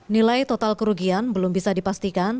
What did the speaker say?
nilai total kerugian belum bisa dipastikan